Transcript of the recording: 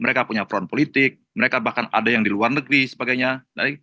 mereka punya front politik mereka bahkan ada yang di luar negeri sebagainya